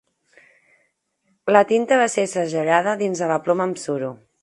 La tinta va ser segellada dins de la ploma amb suro.